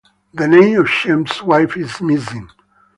The name of Shem's wife is missing.